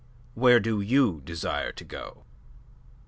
Where do you desire to go?"